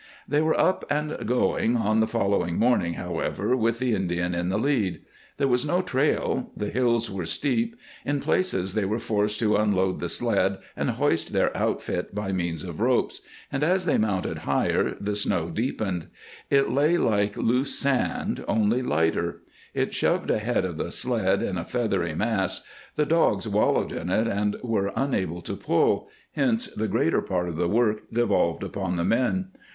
They were up and going on the following morning, however, with the Indian in the lead. There was no trail; the hills were steep; in places they were forced to unload the sled and hoist their outfit by means of ropes, and as they mounted higher the snow deepened. It lay like loose sand, only lighter; it shoved ahead of the sled in a feathery mass; the dogs wallowed in it and were unable to pull, hence the greater part of the work devolved upon the men.